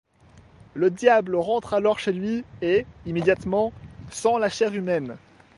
Le Diable rentre alors chez lui et, immédiatement, sent la chair humaine.